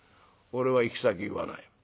俺は行き先言わない。